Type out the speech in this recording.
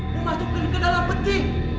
memasukkan ke dalam peti